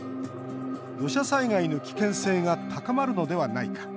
土砂災害の危険性が高まるのではないか。